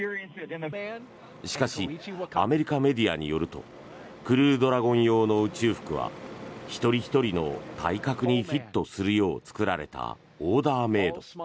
しかしアメリカメディアによるとクルードラゴン用の宇宙服は一人ひとりの体格にフィットするよう作られたオーダーメイド。